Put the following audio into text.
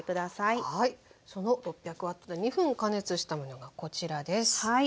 その６００Ｗで２分加熱したものがこちらです。